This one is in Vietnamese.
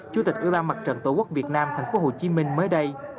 chủ tịch ưu ba mặt trận tổ quốc việt nam thành phố hồ chí minh mới đây